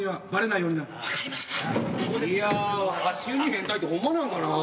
いや足湯に変態ってほんまなんかな？